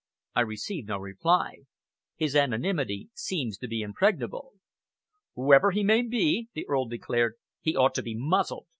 I received no reply. His anonymity seems to be impregnable." "Whoever he may be," the Earl declared, "he ought to be muzzled.